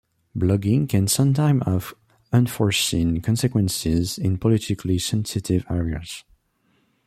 Blogging can sometimes have unforeseen consequences in politically sensitive areas.